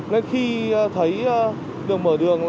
nên khi thấy đường mở đường